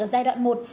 ở giai đoạn một